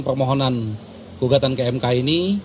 permohonan gugatan ke mk ini